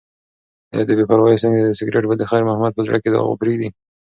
ایا د بې پروایۍ سګرټ به د خیر محمد په زړه کې داغ پریږدي؟